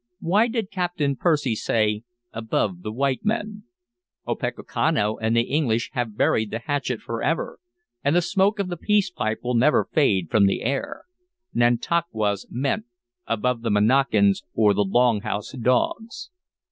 "Why did Captain Percy say 'above the white men'? Opechancanough and the English have buried the hatchet forever, and the smoke of the peace pipe will never fade from the air. Nantauquas meant 'above the Monacans or the Long House dogs.'"